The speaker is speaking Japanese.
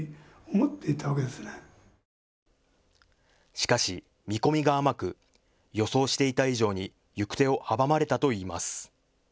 しかし見込みが甘く予想していた以上に行く手を阻まれたといいます。